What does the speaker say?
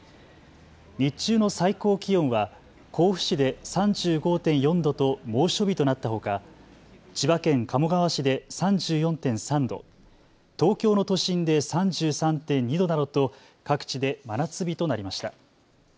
日中の最高気温は甲府市で３５．４度と猛暑日となったほか、千葉県鴨川市で３４．３度、東京の都心で３３．２度などと各地で真夏日となりました。